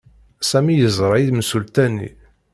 Sami yeẓra imsulta-nni.